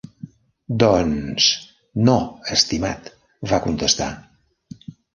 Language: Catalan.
"Doncs... no, estimat", va contestar.